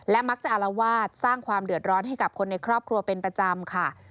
มักจะอารวาสสร้างความเดือดร้อนให้กับคนในครอบครัวเป็นประจำค่ะ